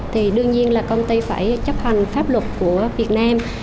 thì đương nhiên là công ty phải chấp hành pháp luật của việt nam